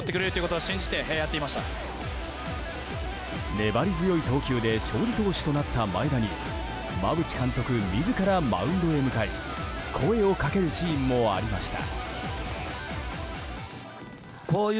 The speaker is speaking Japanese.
粘り強い投球で勝利投手となった前田に馬淵監督自らマウンドへ向かい声をかけるシーンもありました。